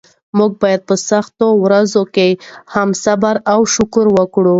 موږ باید په سختو ورځو کې هم صبر او شکر وکړو.